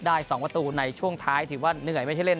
๒ประตูในช่วงท้ายถือว่าเหนื่อยไม่ใช่เล่น